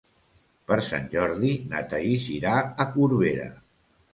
Per Sant Jordi na Thaís irà a Corbera.